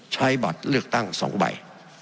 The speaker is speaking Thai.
ใช้บัตรเลือกตั้ง๒ใบ